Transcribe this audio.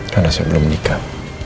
karena saya belum menikah